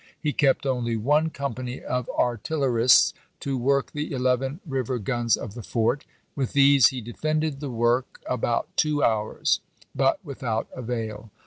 He kept only one company of artillerists to work the eleven river guns of the fort ; with these he defended the work about two hours, but without avail.